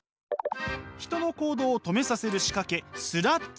人の行動を止めさせる仕掛けスラッジとは？